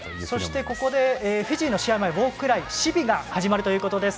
そしてここでフィジーの試合前ウォークライシビが始まるということです。